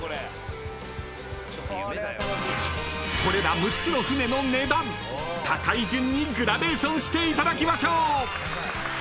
［これら６つの船の値段高い順にグラデーションしていただきましょう］